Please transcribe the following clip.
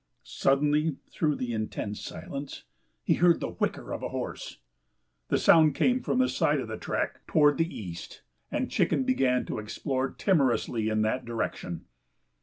Suddenly through the intense silence, he heard the whicker of a horse. The sound came from the side of the track toward the east, and Chicken began to explore timorously in that direction.